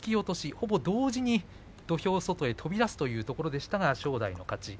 ほぼ同時に土俵外へ飛び出すというところでしたが正代の勝ち。